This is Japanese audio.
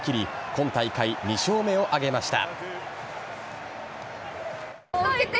今大会２勝目を挙げました。